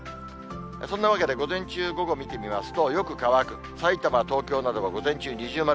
そんなわけで、午前中、午後見てみますと、よく乾く、さいたま、東京などは午前中二重丸。